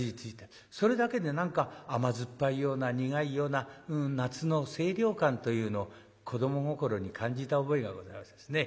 それだけで何か甘酸っぱいような苦いような夏の清涼感というのを子ども心に感じた覚えがございますですね。